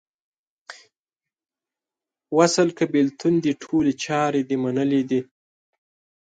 وصل که بیلتون دې ټولي چارې دې منلې دي